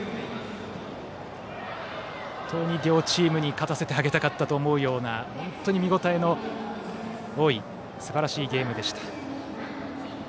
両チームに勝たせてあげたかったと思うような、本当に見応えの多いすばらしいゲームでした。